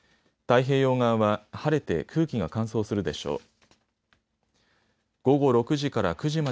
太平洋側は晴れて空気が乾燥するでしょう。